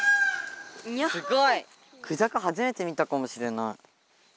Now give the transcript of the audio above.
クジャク初めて見たかもしれない。